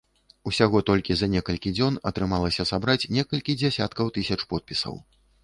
Усяго толькі за некалькі дзён атрымалася сабраць некалькі дзесяткаў тысяч подпісаў.